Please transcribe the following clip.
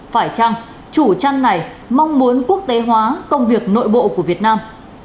phải chăng chủ trang này mong muốn quốc tế hóa công việc nội bộ của việt nam